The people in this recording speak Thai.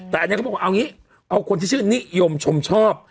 แต่อันนี้เขาบอกเอางี้เอาคนที่ชื่อนิยมชมชอบ